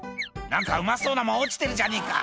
何かうまそうなもん落ちてるじゃねえか」